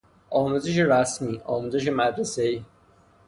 آموزش رسمی، آموزش مدرسهای